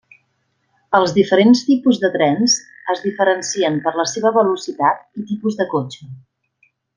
Els diferents tipus de trens es diferencien per la seva velocitat i tipus de cotxe.